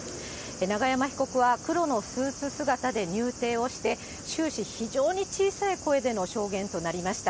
永山被告は黒のスーツ姿で入廷をして、終始、非常に小さい声での証言となりました。